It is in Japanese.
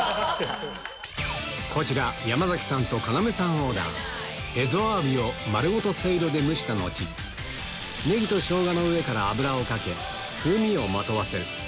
こちら山さんと要さんオーダーエゾアワビを丸ごとせいろで蒸した後上から油をかけ風味をまとわせる